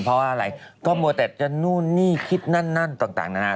เพราะว่าอะไรก็มัวแต่จะนู่นนี่คิดนั่นนั่นต่างนานา